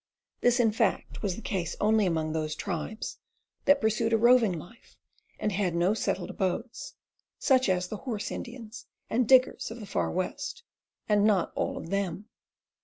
This, in fact, was the case only among those tribes that pursued a roving life and had no settled abodes, such as the "horse Indians" and "diggers" of the Far West — and not all of them.